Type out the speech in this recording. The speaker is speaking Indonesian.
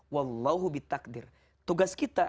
wallahu bit takdir tugas kita